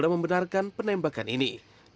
teman keluar sini teman tengok